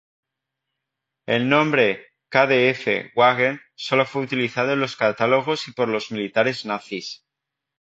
El nombre Kdf-Wagen solo fue utilizado en los catálogos y por los militares nazis.